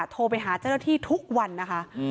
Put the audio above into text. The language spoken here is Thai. โทรไปหาเจ้าหน้าที่ทุกวันนะคะ